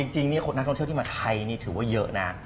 จริงนักท่องเที่ยวที่มาไทยนี่ถือว่าเยอะนะ